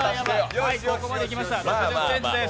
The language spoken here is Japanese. ここまで来ました、６０ｃｍです。